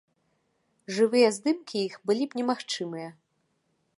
Жывыя здымкі іх былі б немагчымыя.